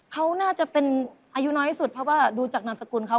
เขาน่าจะเป็นอายุน้อยที่สุดเพราะว่าดูจากนามสกุลเขา